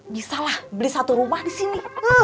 bisa lah beli satu rumah di sini